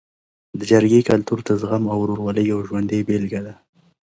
د جرګې کلتور د زغم او ورورولۍ یو ژوندی بېلګه ده.